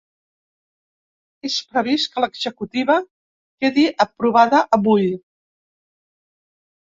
És previst que l’executiva quedi aprovada avui.